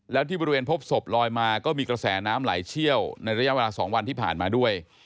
แล้วที่บริเวณพบศพลอยมาก็มีกระแสน้ำไหลเชี่ยวในระยะเวลา๒วันที่ผ่านมาด้วย